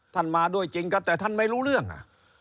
มาด้วยจริงก็แต่ท่านไม่รู้เรื่องอ่ะ